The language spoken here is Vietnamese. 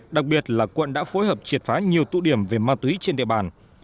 đặc biệt là quận đã phối hợp triệt phá nhiều tụ điểm về ma túy trên địa bàn